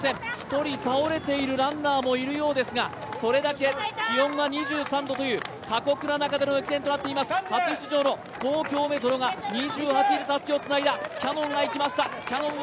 １人倒れているランナーもいるようですが、それだけ気温が２３度という過酷な中での駅伝となっています、初出場の東京メトロが２８位でたすきをつないだ。